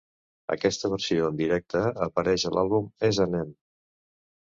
Aquesta versió en directe apareix a l'àlbum S and M.